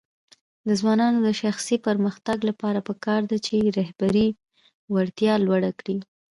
د ځوانانو د شخصي پرمختګ لپاره پکار ده چې رهبري وړتیا لوړه کړي.